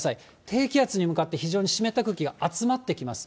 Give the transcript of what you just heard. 低気圧に向かって非常に湿った空気が集まってきます。